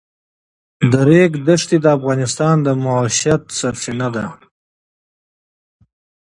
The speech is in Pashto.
د ریګ دښتې د افغانانو د معیشت سرچینه ده.